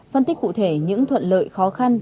phân tích cụ thể những thuận lợi khó khăn